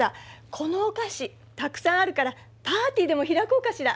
このお菓子たくさんあるからパーティーでも開こうかしら。